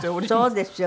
そうですよね。